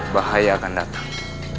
bahaya akan datang